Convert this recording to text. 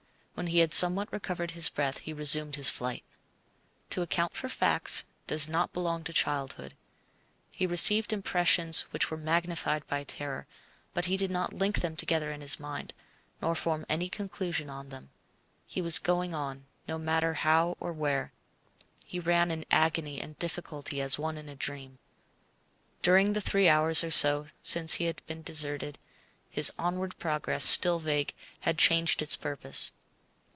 When he had somewhat recovered his breath he resumed his flight. To account for facts does not belong to childhood. He received impressions which were magnified by terror, but he did not link them together in his mind, nor form any conclusion on them. He was going on, no matter how or where; he ran in agony and difficulty as one in a dream. During the three hours or so since he had been deserted, his onward progress, still vague, had changed its purpose.